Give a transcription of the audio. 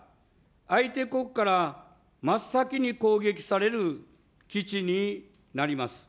相手国から真っ先に攻撃される基地になります。